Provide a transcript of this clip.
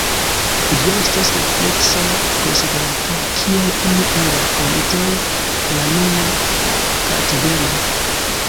Hodiaŭ estas amplekse konsiderata kiel unu el la fondintoj de la nuna Kartvelio.